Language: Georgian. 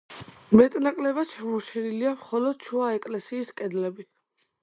მეტნაკლებად შემორჩენილია, მხოლოდ შუა ეკლესიის კედლები.